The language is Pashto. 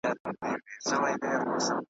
او یواز اوسیږي په تیاره توره نړۍ کي .